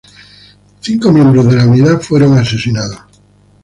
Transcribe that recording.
Cinco miembros de la unidad fueron asesinados.